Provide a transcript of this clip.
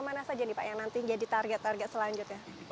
mana saja nih pak yang nanti jadi target target selanjutnya